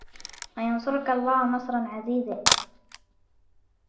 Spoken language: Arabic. وينصرك الله نصرا عزيزا